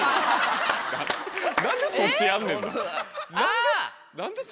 何でそっちやんねんな。